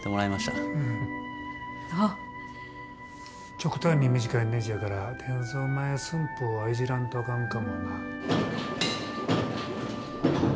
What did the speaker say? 極端に短いねじやから転造前寸法はいじらんとあかんかもな。